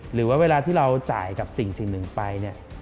หรือว่าเวลาที่เราจ่ายกับสิ่งหนึ่งไปเนี่ย